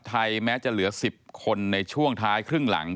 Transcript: แม้จะเหลือ๑๐คนในช่วงท้ายครึ่งหลัง